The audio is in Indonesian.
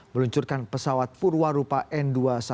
meluncurkan pesawat purwarupa n dua ratus sembilan belas